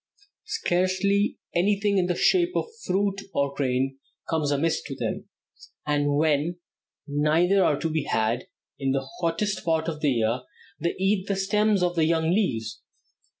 Scarcely anything in the shape of fruit or grain comes amiss to them, and when neither are to be had, in the hottest part of the year they eat the stems of the young leaves.